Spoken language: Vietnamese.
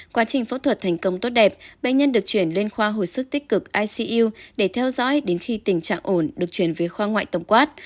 quá trình phẫu thuật thành công tốt đẹp bệnh nhân được chuyển lên khoa hồi sức tích cực icu để theo dõi đến khi tình trạng ổn được chuyển về khoa ngoại tổng quát